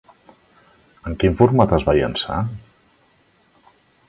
En quin format es va llançar?